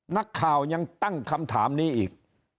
นักข่าวยังตั้งคำถามนี้อีก